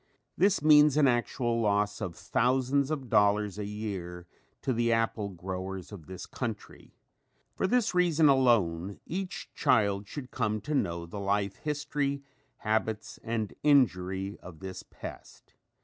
This means an actual loss of thousands of dollars a year to the apple growers of this country. For this reason alone each child should come to know the life history, habits and injury of this pest.